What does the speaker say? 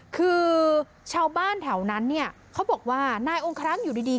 คือชาวบ้านแถวนั้นเขาบอกว่านายองคารักษ์อยู่ดี